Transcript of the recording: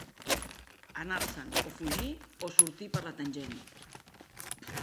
Anar-se'n o Fugir, o Sortir per la tangent.